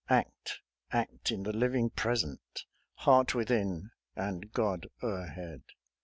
Act, act in the living present! Heart within and God o'erhead